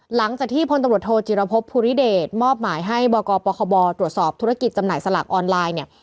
หลังจากที่พลตำรวจโทจิรพบภูริเดชมอบหมายให้บกปคบตรวจสอบธุรกิจจำหน่ายสลากออนไลน์เนี่ย